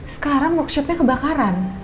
sekarang workshopnya kebakaran